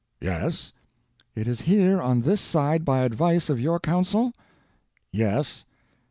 "Yes." "It is here on this side by advice of your council?" "Yes."